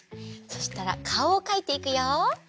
そしたらかおをかいていくよ！